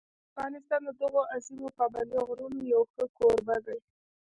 افغانستان د دغو عظیمو پابندي غرونو یو ښه کوربه دی.